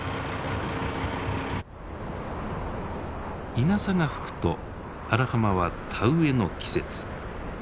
イナサが吹くと荒浜は田植えの季節。